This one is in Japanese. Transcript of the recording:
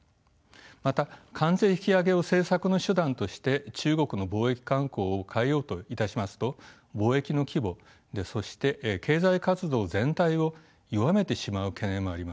また関税引き上げを政策の手段として中国の貿易慣行を変えようといたしますと貿易の規模そして経済活動全体を弱めてしまう懸念もあります。